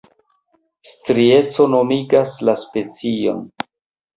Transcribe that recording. Strieco nomigas la specion.